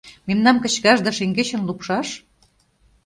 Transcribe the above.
Мемнам кычкаш да шеҥгечын лупшаш?